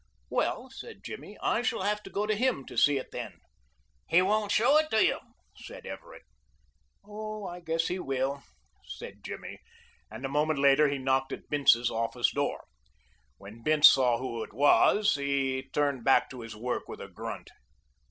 "Well," said Jimmy, "I shall have to go to him to see it then." "He won't show it to you," said Everett. "Oh, I guess he will," said Jimmy, and a moment later he knocked at Bince's office door. When Bince saw who it was he turned back to his work with a grunt.